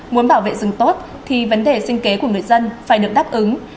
muốn bảo vệ rừng tốt thì vấn đề sinh kế của người dân phải được đáp ứng